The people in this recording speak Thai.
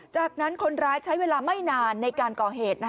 จากนั้นคนร้ายใช้เวลาไม่นานในการก่อเหตุ